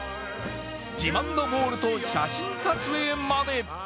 自慢のボールと写真撮影まで。